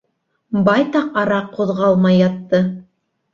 Байтаҡ ара ҡуҙғалмай ятты.